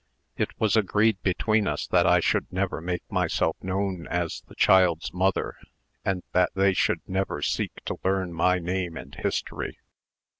It was agreed between us that I should never make myself known as the child's mother, and that they should never seek to learn my name and history.